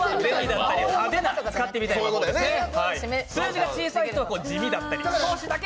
数字が小さいと地味だったり。